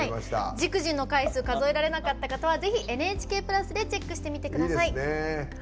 「ＪＩＫＪＩＮ」の回数数えられなかった方はぜひ、「ＮＨＫプラス」でチェックしてみてください。